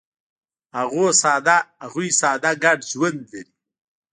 هغوی ساده ګډ ژوند لري.